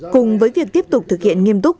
cùng với việc tiếp tục thực hiện nghiêm túc